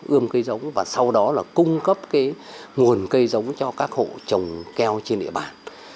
ươm cây giống và sau đó là cung cấp cái nguồn cây giống cho các hộ trồng keo trên địa bàn